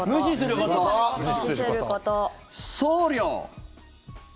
送料。